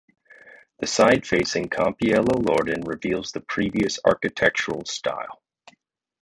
The side facing Campiello Loredan reveals the previous architectural style.